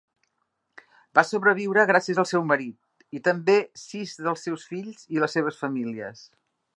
Va sobreviure gràcies al seu marit, i també sis dels seus fills i les seves famílies.